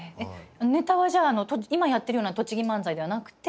ネタはじゃあ今やってるような栃木漫才ではなくて？